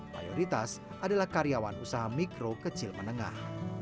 mayoritas adalah karyawan usaha mikro kecil menengah